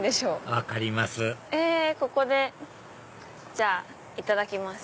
分かりますじゃあいただきます。